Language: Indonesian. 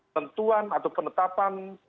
tentuan atau penetapan